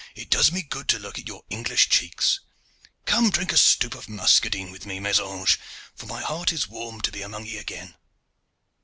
it does me good to look at your English cheeks. Come, drink a stoup of muscadine with me, mes anges, for my heart is warm to be among ye again."